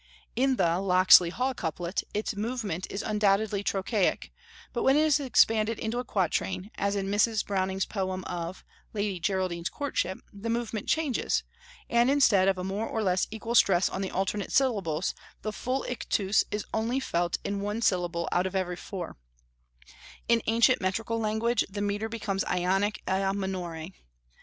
In the "Locksley Hall" couplet its movement is undoubtedly trochaic; but when it is expanded into a quatrain, as in Mrs. Browning's poem of "Lady Geraldine's Courtship," the movement changes, and instead of a more or less equal stress on the alternate syllables, the full ictus is only felt in one syllable out of every four; in ancient metrical language the metre becomes Ionic a minore.